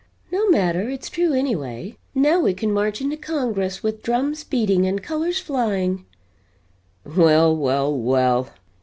"No matter, it's true anyway. Now we can march into Congress with drums beating and colors flying!" "Well well well.